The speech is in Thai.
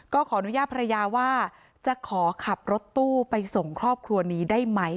ขออนุญาตภรรยาว่าจะขอขับรถตู้ไปส่งครอบครัวนี้ได้ไหม